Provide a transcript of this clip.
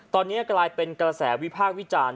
ตอนนี้กลายเป็นกระแสวิพากษ์วิจารณ์